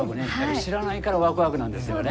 知らないからわくわくなんですよね。